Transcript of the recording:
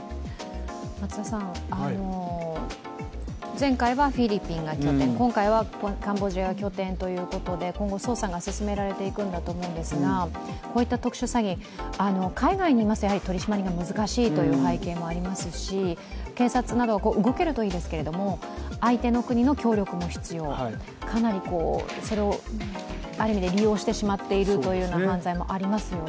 前回はフィリピンが拠点、今回はカンボジアが拠点ということで今後捜査が進められていくんだと思うんですが、こういった特殊詐欺、海外にいますと取締が難しいという背景がありますし、警察など動けるといいですけど、相手の国の協力も必要、かなりそれをある意味で利用してしまっているという犯罪もありますよね。